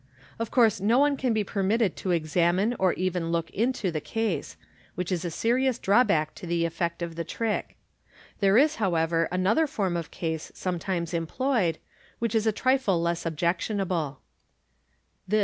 Of course no one can be permitted to examine or even look into the case, which is a serious drawback to the en\ ct of the trick. There is, however, another form of case some times employed, which is a trifle less objectionable.